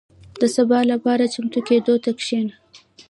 • د سبا لپاره چمتو کېدو ته کښېنه.